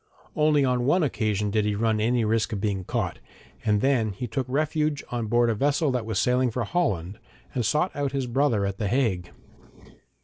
Only on one occasion did he run any risk of being caught, and then he took refuge on board a vessel that was sailing for Holland, and sought out his brother at the Hague.